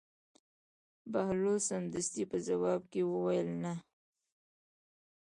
بهلول سمدستي په ځواب کې وویل: نه.